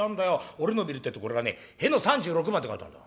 俺のを見るってぇとこれがねへの３６番って書いてあんだよ。